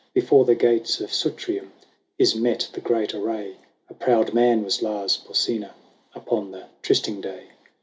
Before the gates of Sutrium Is met the great array. A proud man was Lars Porsena Upon the trysting day.